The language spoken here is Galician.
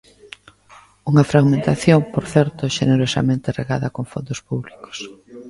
Unha fragmentación, por certo, xenerosamente regada con fondos públicos.